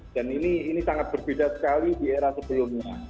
dan ini sangat berbeda sekali di era sebelumnya